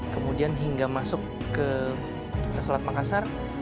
kemudian hingga masuk ke selat makassar